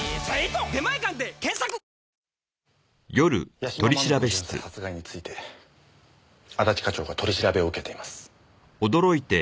屋島真美子巡査殺害について安達課長が取り調べを受けています。